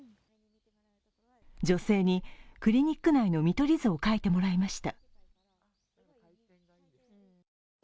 女性にクリニック内の見取り図を書いてもらいました。